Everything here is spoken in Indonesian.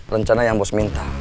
rencana yang bos minta